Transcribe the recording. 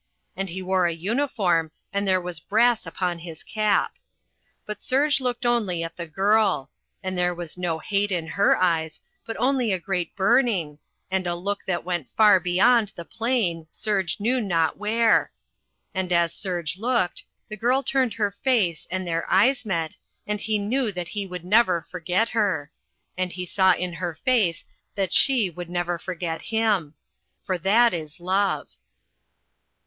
And he wore a uniform and there was brass upon his cap. But Serge looked only at the girl. And there was no hate in her eyes, but only a great burning, and a look that went far beyond the plain, Serge knew not where. And as Serge looked, the girl turned her face and their eyes met, and he knew that he would never forget her. And he saw in her face that she would never forget him. For that is love.